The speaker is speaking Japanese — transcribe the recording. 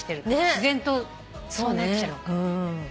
自然とそうなっちゃうのか。